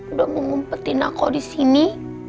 udah mau ngumpetin aku disini